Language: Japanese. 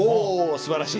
すばらしい。